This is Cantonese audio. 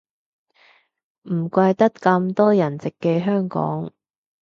唔怪得咁多人直寄香港